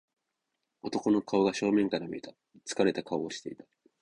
男の顔が正面から見えた。疲れた顔をしていた。